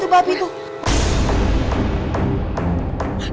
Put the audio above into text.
itu babi tuh